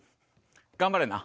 頑張れな。